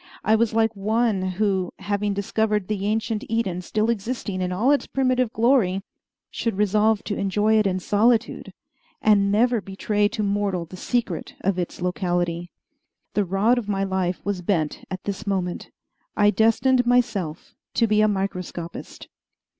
I was like one who, having discovered the ancient Eden still existing in all its primitive glory, should resolve to enjoy it in solitude, and never betray to mortal the secret of its locality. The rod of my life was bent at this moment. I destined myself to be a microscopist.